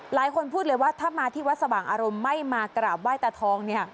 หลายคนพูดเลยว่าถ้ามาที่วัดสว่างอารมณ์ไม่มากราบไหว้ตาทองเนี่ย